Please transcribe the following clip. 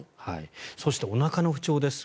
そして、おなかの不調です。